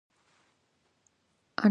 انا په خپله کوټه کې یوازې ده.